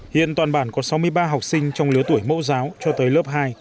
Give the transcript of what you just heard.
hiện toàn bản có sáu mươi ba học sinh trong lứa tuổi mẫu giáo cho tới lớp hai